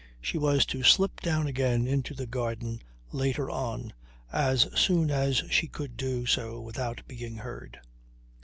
She was to slip down again into the garden later on, as soon as she could do so without being heard.